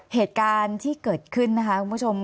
เหตุการณ์ที่เกิดขึ้นนะคะคุณผู้ชม